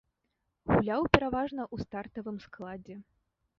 Гуляў пераважна ў стартавым складзе.